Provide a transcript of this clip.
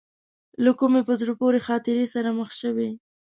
له کومې په زړه پورې خاطرې سره مخ شوې.